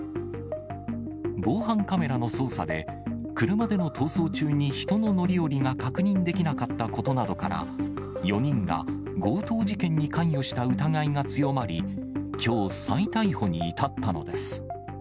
防犯カメラの捜査で、車での逃走中に人の乗り降りが確認できなかったことなどから、４人が強盗事件に関与した疑いが強まり、きょう、再逮捕に至ったのです。